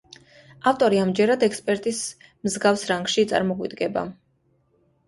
ავტორი ამჯერად ექსპერტის მსგავს რანგში წარმოგვიდგება.